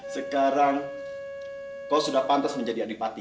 sekarang kau sudah pantas menjadi anipati